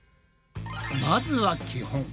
まずは基本。